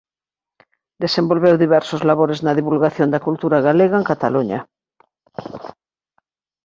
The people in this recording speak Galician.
Desenvolveu diversos labores na divulgación da cultura galega en Cataluña.